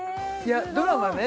ドラマね